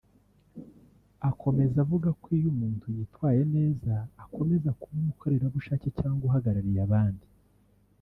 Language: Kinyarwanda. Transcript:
Akomeza avuga ko iyo umuntu yitwaye neza akomeza kuba umukorerabushake cyangwa uhagarariye abandi